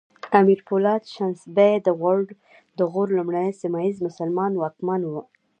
امیر پولاد شنسبی د غور لومړنی سیمه ییز مسلمان واکمن و